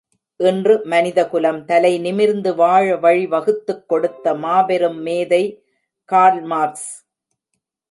இன்று மனிதகுலம் தலை நிமிர்ந்து வாழ வழி வகுத்துக் கொடுத்த மாபெரும் மேதை கார்ல் மார்க்ஸ்.